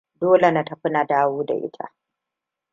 Dole na tafi na dawo da ita.